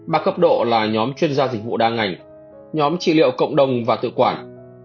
ba cấp độ là nhóm chuyên gia dịch vụ đa ngành nhóm trị liệu cộng đồng và tự quản